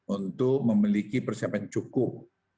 untuk memiliki persiapan cukup